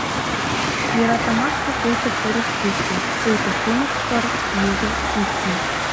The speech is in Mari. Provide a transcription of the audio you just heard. Йӧратымашке пуйто пурыш кишке, Пуйто шӱмыш кырышт юзо ишкым.